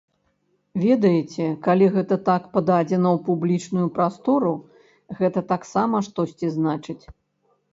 Ведаеце, калі гэта так пададзена ў публічную прастору, гэта таксама штосьці значыць.